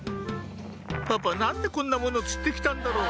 「パパ何でこんなもの釣って来たんだろう？」